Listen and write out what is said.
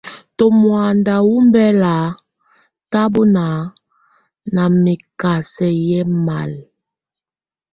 Tù mɔ̀ánda wù ɔmbɛla tabɔna na mɛkasɛ yɛ malɛ.